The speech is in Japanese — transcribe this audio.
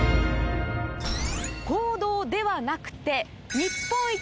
公道ではなくてええっ！？